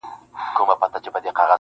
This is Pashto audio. • سپینه آیینه سوم له غباره وځم..